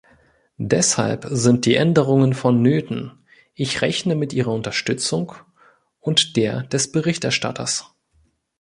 Deshalb sind die Änderungen vonnöten, ich rechne mit Ihrer Unterstützung und der des Berichterstatters.